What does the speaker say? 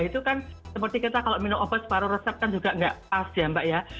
itu kan seperti kita kalau minum obat separuh resep kan juga nggak pas ya mbak ya